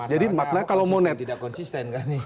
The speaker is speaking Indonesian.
masalahnya kalau konsisten tidak konsisten kan